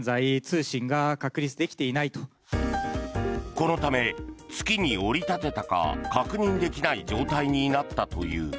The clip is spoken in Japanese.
このため、月に降り立てたか確認できない状態になったという。